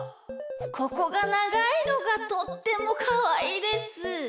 ここがながいのがとってもかわいいです。